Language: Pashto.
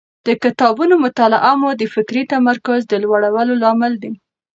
د کتابونو مطالعه مو د فکري تمرکز د لوړولو لامل دی.